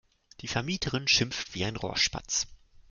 Die Vermieterin schimpft wie ein Rohrspatz.